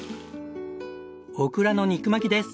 オクラの肉巻きです。